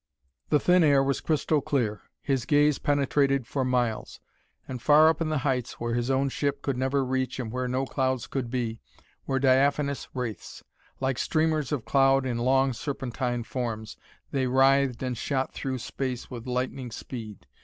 The thin air was crystal clear; his gaze penetrated for miles. And far up in the heights, where his own ship could never reach and where no clouds could be, were diaphanous wraiths. Like streamers of cloud in long serpentine forms, they writhed and shot through space with lightning speed.